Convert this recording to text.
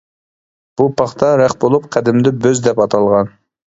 بۇ پاختا رەخت بولۇپ قەدىمدە «بۆز» دەپ ئاتالغان.